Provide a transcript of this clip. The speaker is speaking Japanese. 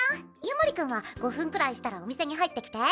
夜守君は５分くらいしたらお店に入ってきて。